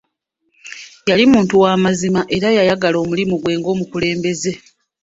Yali muntu wa mazima era yayagala omulimu gwe ng'omukulembeze.